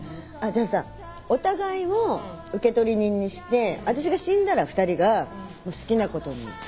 じゃあさお互いを受取人にして私が死んだら２人が好きなことに使うっていうのはどう？